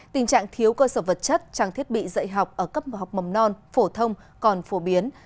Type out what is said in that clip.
tình trạng thiếu cơ sở vật chất trang thiết bị dạy học ở cấp một học mầm non phổ thông còn phổ biến